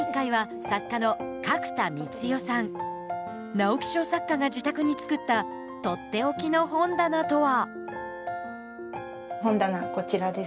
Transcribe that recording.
直木賞作家が自宅につくった取って置きの本棚とは？